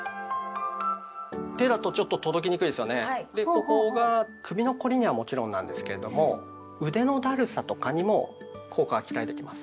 ここが首の凝りにはもちろんなんですけれども腕のだるさとかにも効果が期待できます。